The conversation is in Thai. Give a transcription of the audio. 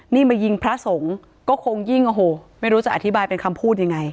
นี่มายิงพระสงฆ์ก็คงยิ่งโอ้โหไม่รู้จะอธิบายเป็นคำพูดยังไง